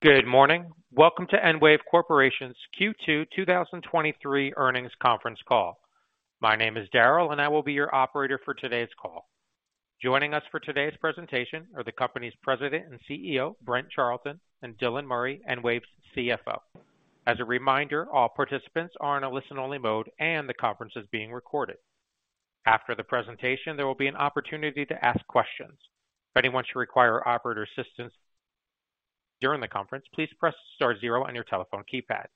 Good morning. Welcome to EnWave Corporation's Q2 2023 earnings conference call. My name is Daryl, and I will be your operator for today's call. Joining us for today's presentation are the company's President and CEO, Brent Charleton, and Dylan Murray, EnWave's CFO. As a reminder, all participants are in a listen-only mode, and the conference is being recorded. After the presentation, there will be an opportunity to ask questions. If anyone should require operator assistance during the conference, please press star zero on your telephone keypad.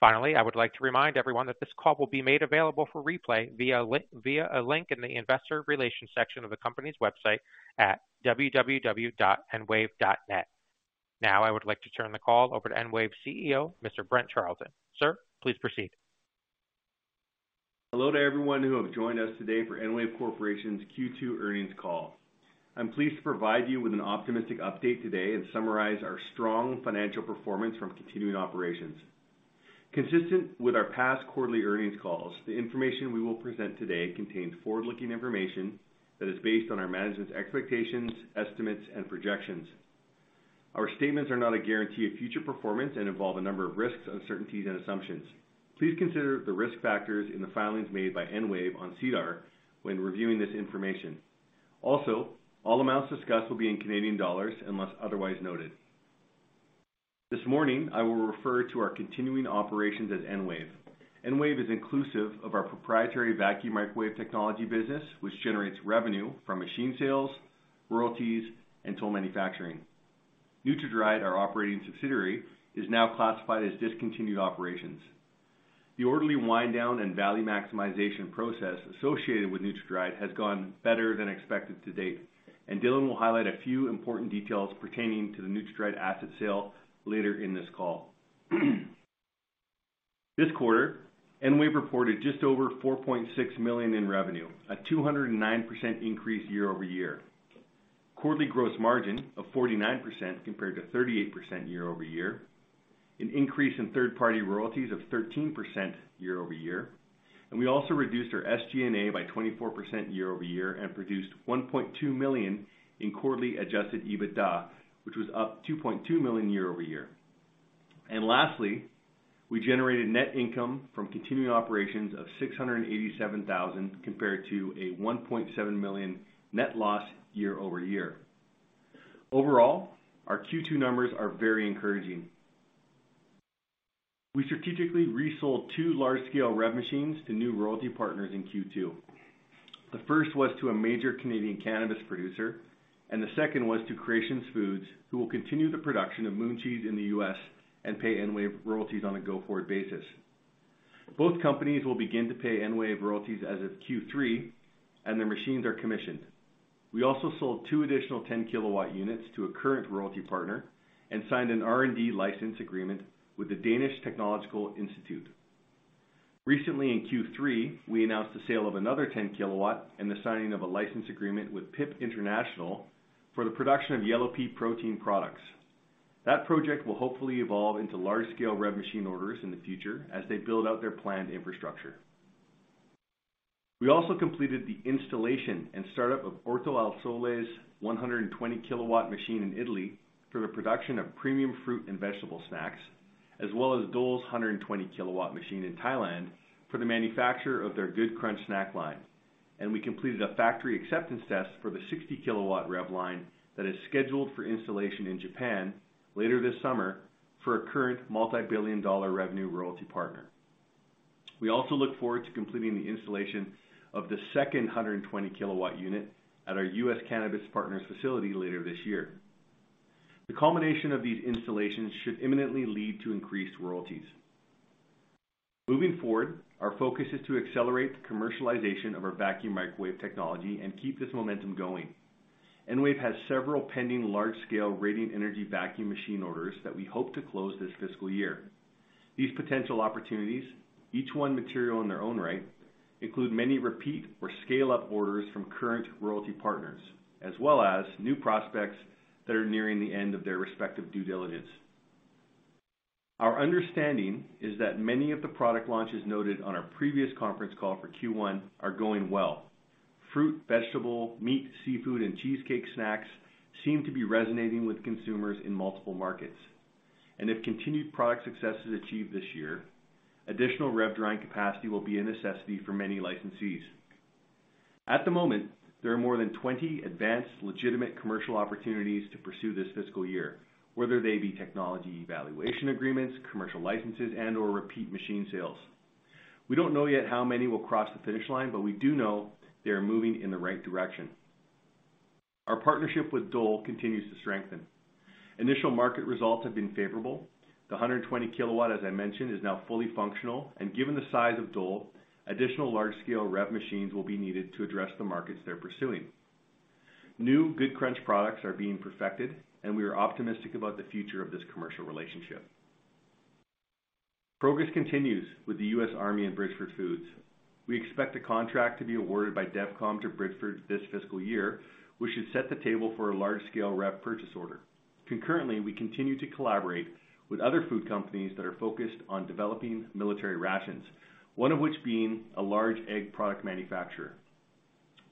Finally, I would like to remind everyone that this call will be made available for replay via a link in the investor relations section of the company's website at www.enwave.net. Now, I would like to turn the call over to EnWave's CEO, Mr. Brent Charleton. Sir, please proceed. Hello to everyone who has joined us today for EnWave Corporation's Q2 earnings call. I'm pleased to provide you with an optimistic update today and summarize our strong financial performance from continuing operations. Consistent with our past quarterly earnings calls, the information we will present today contains forward-looking information that is based on our management's expectations, estimates, and projections. Our statements are not a guarantee of future performance and involve a number of risks, uncertainties, and assumptions. Please consider the risk factors in the filings made by EnWave on SEDAR when reviewing this information. All amounts discussed will be in Canadian dollars unless otherwise noted. This morning, I will refer to our continuing operations as EnWave. EnWave is inclusive of our proprietary vacuum microwave technology business, which generates revenue from machine sales, royalties, and toll manufacturing. NutraDried, our operating subsidiary, is now classified as discontinued operations. The orderly wind-down and value maximization process associated with NutraDried has gone better than expected to date. Dylan will highlight a few important details pertaining to the NutraDried asset sale later in this call. This quarter, EnWave reported just over 4.6 million in revenue, a 209% increase year-over-year. Quarterly gross margin was 49% compared to 38% year-over-year, an increase in third-party royalties of 13% year-over-year. We also reduced our SG&A by 24% year-over-year and produced 1.2 million in quarterly adjusted EBITDA, which was up 2.2 million year-over-year. Lastly, we generated net income from continuing operations of 687,000 compared to 1.7 million net loss year-over-year. Overall, our Q2 numbers are very encouraging. We strategically resold 2 large-scale REV machines to new royalty partners in Q2. The first was to a major Canadian cannabis producer, and the second was to Creations Foods, who will continue the production of Moon Cheese in the U.S. and pay EnWave royalties on a go-forward basis. Both companies will begin to pay EnWave royalties as of Q3, and their machines are commissioned. We also sold two additional 10-KW units to a current royalty partner and signed an R&D license agreement with the Danish Technological Institute. Recently in Q3, we announced the sale of another 10-KW and the signing of a license agreement with PIP International for the production of yellow pea protein products. That project will hopefully evolve into large-scale REV machine orders in the future as they build out their planned infrastructure. We also completed the installation and startup of Orto al Sole's 120-KW machine in Italy for the production of premium fruit and vegetable snacks, as well as Dole's 120-KW machine in Thailand for the manufacture of their Good Crunch snack line. We completed a factory acceptance test for the 60-KW REV line that is scheduled for installation in Japan later this summer for a current multi-billion-dollar revenue royalty partner. We also look forward to completing the installation of the second 120-KW unit at our U.S. Cannabis Partners facility later this year. The culmination of these installations should imminently lead to increased royalties. Moving forward, our focus is to accelerate the commercialization of our vacuum microwave technology and keep this momentum going. EnWave has several pending large-scale radiant energy vacuum machine orders that we hope to close this fiscal year. These potential opportunities, each one material in their own right, include many repeat or scale-up orders from current royalty partners, as well as new prospects that are nearing the end of their respective due diligence. Our understanding is that many of the product launches noted on our previous conference call for Q1 are going well. Fruit, vegetable, meat, seafood, and cheesecake snacks seem to be resonating with consumers in multiple markets, and if continued product success is achieved this year, additional REV drying capacity will be a necessity for many licensees. At the moment, there are more than 20 advanced, legitimate commercial opportunities to pursue this fiscal year, whether they be technology evaluation agreements, commercial licenses, and/or repeat machine sales. We don't know yet how many will cross the finish line, but we do know they are moving in the right direction. Our partnership with Dole continues to strengthen. Initial market results have been favorable. The 120 KW, as I mentioned, is now fully functional, and given the size of Dole, additional large-scale REV machines will be needed to address the markets they're pursuing. New Good Crunch products are being perfected, and we are optimistic about the future of this commercial relationship. Progress continues with the U.S. Army and Bridgford Foods. We expect a contract to be awarded by DEVCOM to Bridgford this fiscal year, which should set the table for a large-scale REV purchase order. Concurrently, we continue to collaborate with other food companies that are focused on developing military rations, one of which being a large egg product manufacturer.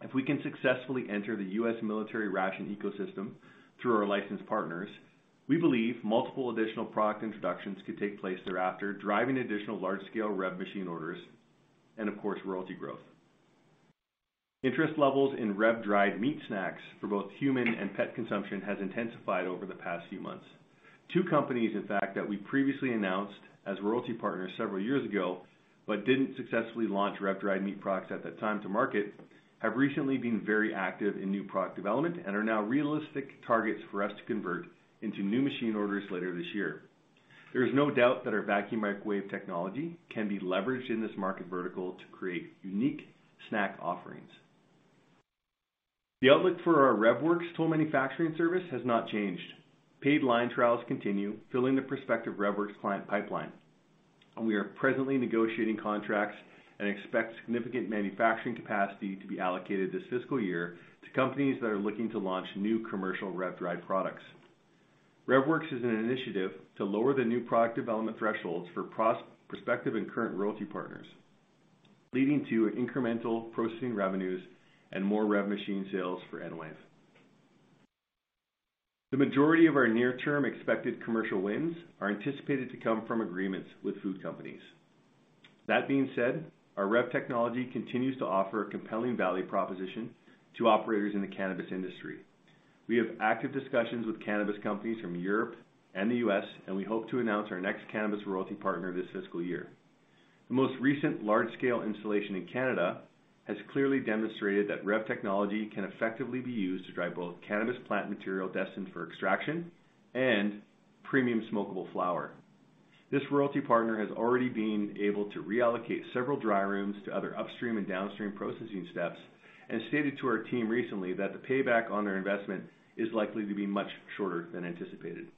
If we can successfully enter the U.S. military ration ecosystem through our licensed partners, we believe multiple additional product introductions could take place thereafter, driving additional large-scale REV machine orders and, of course, royalty growth. Interest levels in REV dried meat snacks for both human and pet consumption has intensified over the past few months. Two companies, in fact, that we previously announced as royalty partners several years ago, but didn't successfully launch REV dried meat products at that time to market, have recently been very active in new product development and are now realistic targets for us to convert into new machine orders later this year. There is no doubt that our vacuum microwave technology can be leveraged in this market vertical to create unique snack offerings. The outlook for our REVworx toll manufacturing service has not changed. Paid line trials continue, filling the prospective REVworx client pipeline, and we are presently negotiating contracts and expect significant manufacturing capacity to be allocated this fiscal year to companies that are looking to launch new commercial REV dried products. REVworx is an initiative to lower the new product development thresholds for prospective and current royalty partners, leading to incremental processing revenues and more REV machine sales for EnWave. The majority of our near-term expected commercial wins are anticipated to come from agreements with food companies. That being said, our REV technology continues to offer a compelling value proposition to operators in the cannabis industry. We have active discussions with cannabis companies from Europe and the U.S., and we hope to announce our next cannabis royalty partner this fiscal year. The most recent large-scale installation in Canada has clearly demonstrated that REV technology can effectively be used to dry both cannabis plant material destined for extraction and premium smokable flower. This royalty partner has already been able to reallocate several dry rooms to other upstream and downstream processing steps, and stated to our team recently that the payback on their investment is likely to be much shorter than anticipated.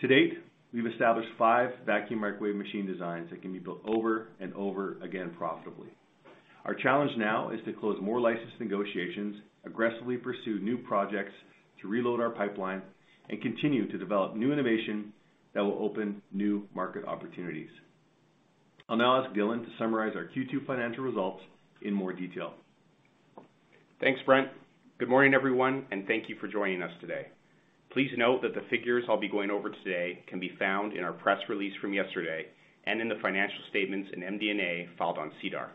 To date, we've established five vacuum microwave machine designs that can be built over and over again profitably. Our challenge now is to close more license negotiations, aggressively pursue new projects to reload our pipeline, and continue to develop new innovation that will open new market opportunities. I'll now ask Dylan to summarize our Q2 financial results in more detail. Thanks, Brent. Good morning, everyone, and thank you for joining us today. Please note that the figures I'll be going over today can be found in our press release from yesterday and in the financial statements in MD&A, filed on SEDAR,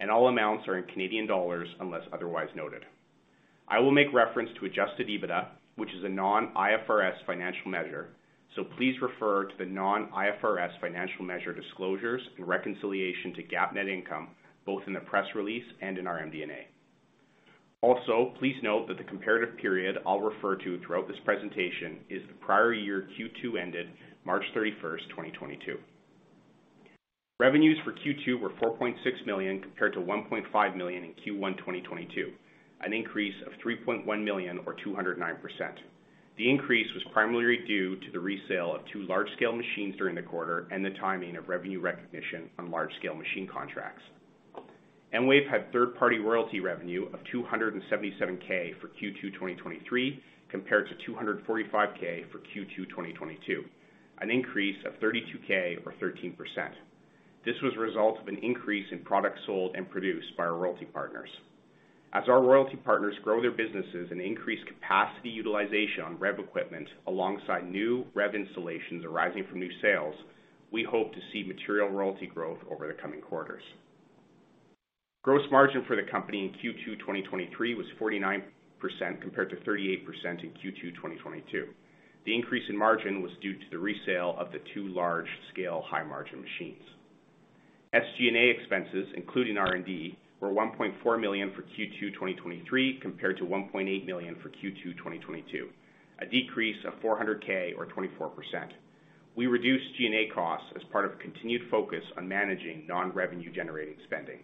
and all amounts are in Canadian dollars, unless otherwise noted. I will make reference to adjusted EBITDA, which is a non-IFRS financial measure, so please refer to the non-IFRS financial measure disclosures and reconciliation to GAAP net income, both in the press release and in our MD&A. Also, please note that the comparative period I'll refer to throughout this presentation is the prior year Q2, ended March 31st, 2022. Revenues for Q2 were 4.6 million, compared to 1.5 million in Q1 2022, an increase of 3.1 million or 209%. The increase was primarily due to the resale of 2 large-scale machines during the quarter and the timing of revenue recognition on large-scale machine contracts. EnWave had third-party royalty revenue of 277k for Q2 2023, compared to 245k for Q2 2022, an increase of 32k or 13%. This was a result of an increase in products sold and produced by our royalty partners. As our royalty partners grow their businesses and increase capacity utilization on REV equipment alongside new REV installations arising from new sales, we hope to see material royalty growth over the coming quarters. Gross margin for the company in Q2 2023 was 49%, compared to 38% in Q2 2022. The increase in margin was due to the resale of the 2 large-scale, high-margin machines. SG&A expenses, including R&D, were 1.4 million for Q2 2023, compared to 1.8 million for Q2 2022, a decrease of 400 thousand or 24%. We reduced G&A costs as part of a continued focus on managing non-revenue-generating spending.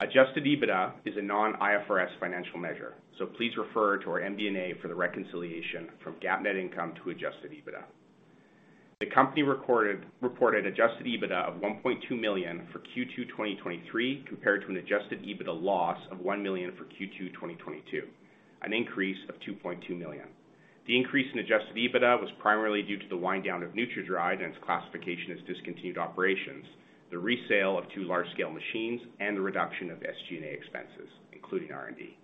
Adjusted EBITDA is a non-IFRS financial measure. Please refer to our MD&A for the reconciliation from GAAP net income to adjusted EBITDA. The company reported adjusted EBITDA of 1.2 million for Q2 2023, compared to an adjusted EBITDA loss of 1 million for Q2 2022, an increase of 2.2 million. The increase in adjusted EBITDA was primarily due to the wind-down of NutraDried and its classification as discontinued operations, the resale of two large-scale machines, and the reduction of SG&A expenses, including R&D.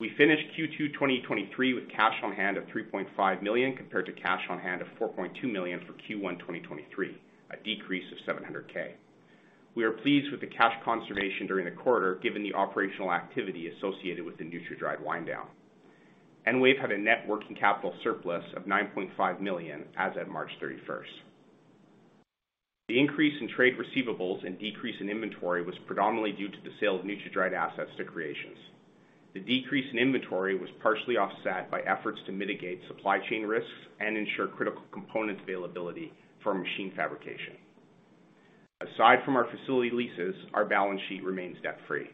We finished Q2 2023 with cash on hand of 3.5 million, compared to cash on hand of 4.2 million for Q1 2023, a decrease of 700,000. We are pleased with the cash conservation during the quarter, given the operational activity associated with the NutraDried wind-down. EnWave had a net working capital surplus of 9.5 million as at March 31. The increase in trade receivables and decrease in inventory was predominantly due to the sale of NutraDried's assets to Creations. The decrease in inventory was partially offset by efforts to mitigate supply chain risks and ensure critical component availability for machine fabrication. Aside from our facility leases, our balance sheet remains debt-free.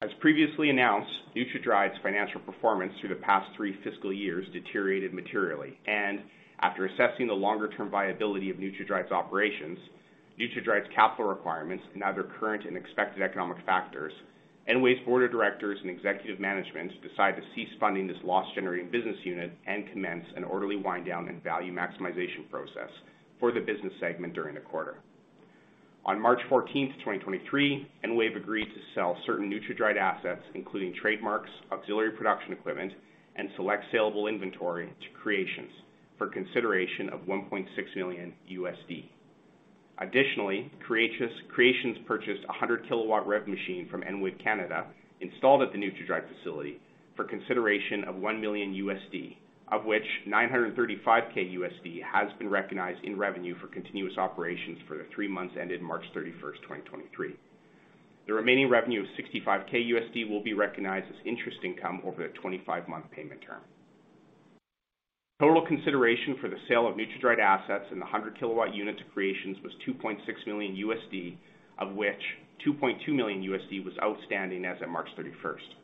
As previously announced, NutraDried's financial performance through the past three fiscal years deteriorated materially, and after assessing the longer-term viability of NutraDried's operations, NutraDried's capital requirements, neither current and expected economic factors- EnWave's board of directors and executive management decided to cease funding this loss-generating business unit and commence an orderly wind-down and value maximization process for the business segment during the quarter. On March 14, 2023, EnWave agreed to sell certain NutraDried assets, including trademarks, auxiliary production equipment, and select saleable inventory to Creations for consideration of CAD 1.6 million. Additionally, Creations purchased a 100 KW REV machine from EnWave Corporation, installed at the NutraDried facility for consideration of CAD 1 million, of which CAD 935K has been recognized in revenue for continuous operations for the three months ended March 31, 2023. The remaining revenue of CAD 65K will be recognized as interest income over the 25-month payment term. Total consideration for the sale of NutraDried assets and the 100 KW unit to Creations was CAD 2.6 million, of which CAD 2.2 million was outstanding as at March 31st.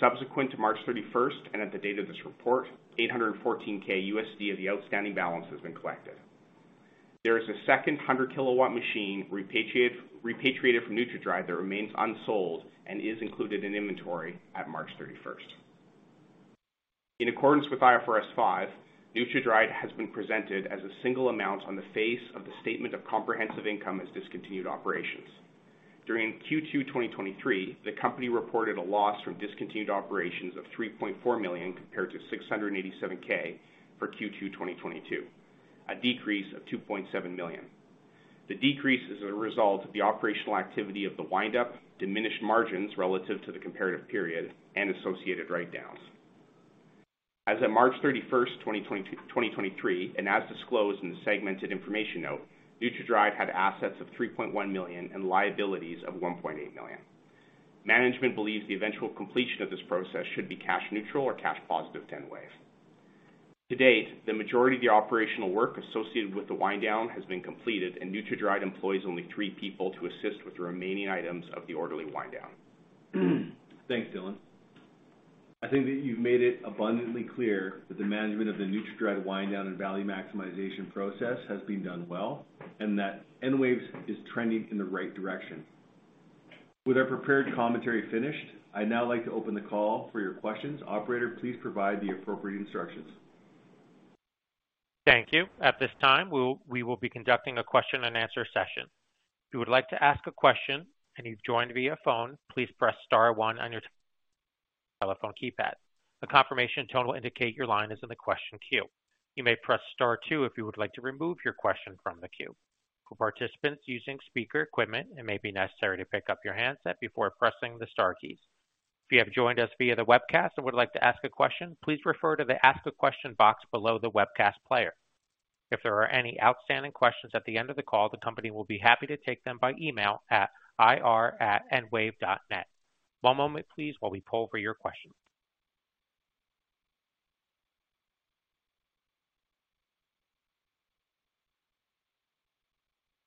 Subsequent to March 31st, at the date of this report, CAD 814,000 of the outstanding balance has been collected. There is a second 100 KW machine repatriated from NutraDried that remains unsold and is included in inventory at March 31st. In accordance with IFRS 5, NutraDried has been presented as a single amount on the face of the statement of comprehensive income as discontinued operations. During Q2 2023, the company reported a loss from discontinued operations of 3.4 million, compared to 687K for Q2 2022, a decrease of 2.7 million. The decrease is a result of the operational activity of the wind up, diminished margins relative to the comparative period, and associated write-downs. As of March 31, 2023, and as disclosed in the segmented information note, NutraDried had assets of 3.1 million and liabilities of 1.8 million. Management believes the eventual completion of this process should be cash neutral or cash positive to EnWave. To date, the majority of the operational work associated with the wind-down has been completed, and NutraDried employs only three people to assist with the remaining items of the orderly wind-down. Thanks, Dylan. I think that you've made it abundantly clear that the management of the NutraDried wind-down and value maximization process has been done well, and that EnWave is trending in the right direction. With our prepared commentary finished, I'd now like to open the call for your questions. Operator, please provide the appropriate instructions. Thank you. At this time, we will be conducting a question and answer session. If you would like to ask a question and you've joined via phone, please press star one on your telephone keypad. A confirmation tone will indicate your line is in the question queue. You may press star two if you would like to remove your question from the queue. For participants using speaker equipment, it may be necessary to pick up your handset before pressing the star keys. If you have joined us via the webcast and would like to ask a question, please refer to the Ask a Question box below the webcast player. If there are any outstanding questions at the end of the call, the company will be happy to take them by email at ir@enwave.net. One moment please, while we poll for your questions.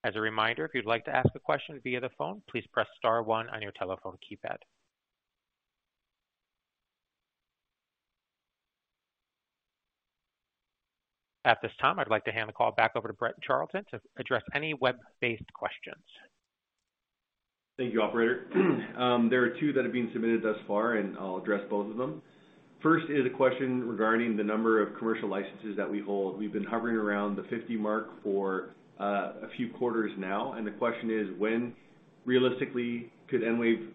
As a reminder, if you'd like to ask a question via the phone, please press star one on your telephone keypad. At this time, I'd like to hand the call back over to Brent Charleton to address any web-based questions. Thank you, operator. There are two that have been submitted thus far, and I'll address both of them. First is a question regarding the number of commercial licenses that we hold. We've been hovering around the 50 mark for a few quarters now, and the question is: When realistically could EnWave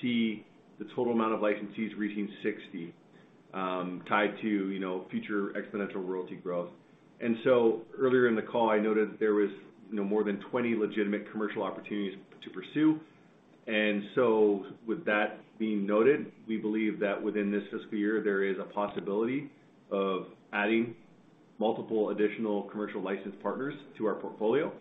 see the total amount of licensees reaching 60, tied to, you know, future exponential royalty growth? Earlier in the call, I noted that there was no more than 20 legitimate commercial opportunities to pursue. With that being noted, we believe that within this fiscal year, there is a possibility of adding multiple additional commercial licensed partners to our portfolio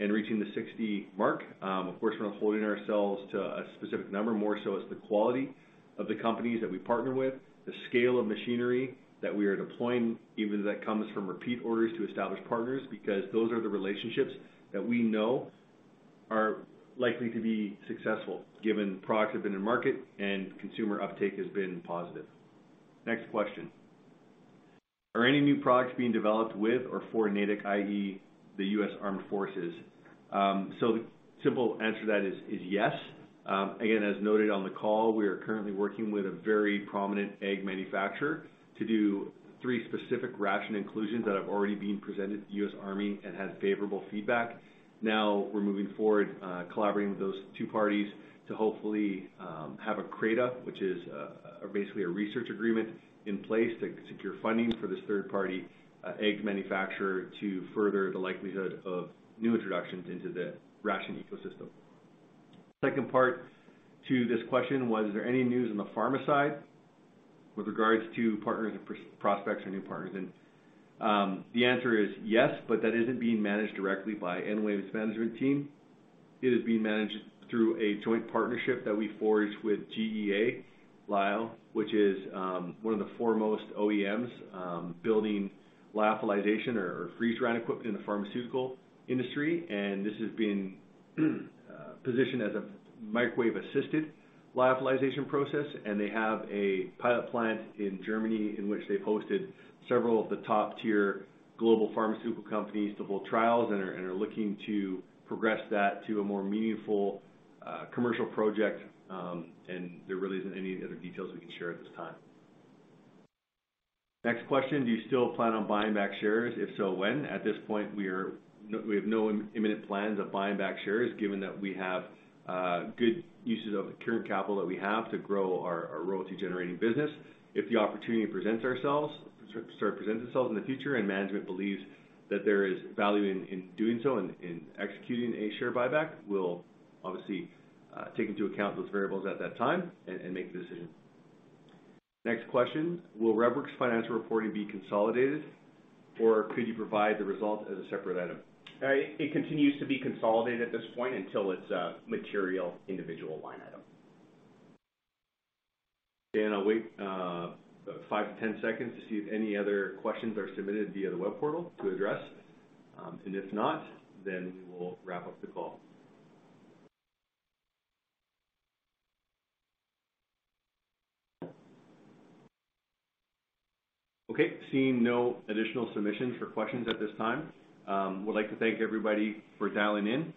and reaching the 60 mark. Of course, we're not holding ourselves to a specific number, more so it's the quality of the companies that we partner with, the scale of machinery that we are deploying, even if that comes from repeat orders to establish partners, because those are the relationships that we know are likely to be successful, given products have been in market and consumer uptake has been positive. Next question: Are any new products being developed with or for Natick, i.e., the U.S. Armed Forces? The simple answer to that is yes. Again, as noted on the call, we are currently working with a very prominent egg manufacturer to do three specific ration inclusions that have already been presented to the U.S. Army and had favorable feedback. Now we're moving forward, collaborating with those two parties to hopefully, have a CRADA, which is basically a research agreement in place to secure funding for this third-party egg manufacturer to further the likelihood of new introductions into the ration ecosystem. Second part to this question was: Is there any news on the pharma side with regards to partners and prospects for new partners? The answer is yes, but that isn't being managed directly by EnWave's management team. It is being managed through a joint partnership that we forged with GEA Lyophil, which is one of the foremost OEMs, building lyophilization or freeze-drying equipment in the pharmaceutical industry. This has been positioned as a microwave-assisted lyophilization process, and they have a pilot plant in Germany in which they've hosted several of the top-tier global pharmaceutical companies to hold trials and are looking to progress that to a more meaningful commercial project. There really isn't any other details we can share at this time. Next question: Do you still plan on buying back shares? If so, when? At this point, we have no imminent plans of buying back shares, given that we have good uses of the current capital that we have to grow our royalty-generating business. If the opportunity presents itself in the future, and management believes that there is value in doing so, in executing a share buyback, we'll obviously take into account those variables at that time and make the decision. Next question: Will REVworx's financial reporting be consolidated, or could you provide the results as a separate item? It continues to be consolidated at this point until it's a material individual line item. I'll wait five to 10 seconds to see if any other questions are submitted via the web portal to address. If not, then we will wrap up the call. Seeing no additional submissions for questions at this time, would like to thank everybody for dialing in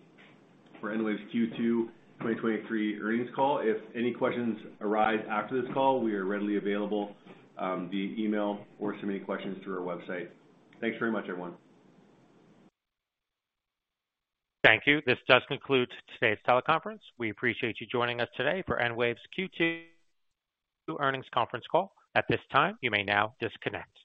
for EnWave's Q2 2023 earnings call. If any questions arise after this call, we are readily available via email or submitting questions through our website. Thanks very much, everyone. Thank you. This does conclude today's teleconference. We appreciate you joining us today for EnWave's Q2 earnings conference call. At this time, you may now disconnect.